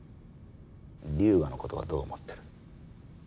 龍河の事はどう思ってる？